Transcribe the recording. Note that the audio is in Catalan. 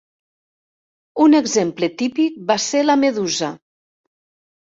Un exemple típic va ser la medusa.